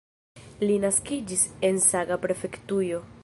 Li naskiĝis en Saga-prefektujo.